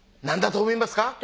何だと思いますか？